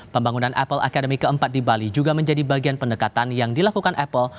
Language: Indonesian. pembangunan apple academy keempat di bali juga menjadi bagian pendekatan yang dilakukan apple